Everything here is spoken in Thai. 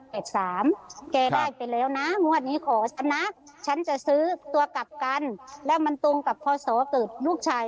จะได้ไปแล้วนะว่านี้ขอสมัครฉันจะซื้อตัวกลับกันและมันตรงกับข้อสร้างผลตัวหนึ่งกลุ่มลูกชาย